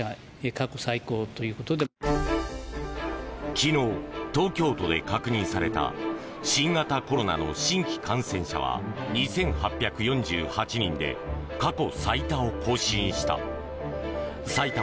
昨日、東京都で確認された新型コロナの新規感染者は２８４８人で過去最多を更新した。